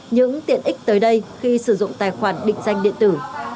những tiện ích tới đây khi sử dụng tài khoản định danh điện tử